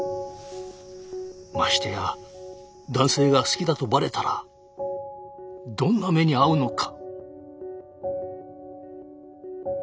ましてや男性が好きだとバレたらどんな目に遭うのか。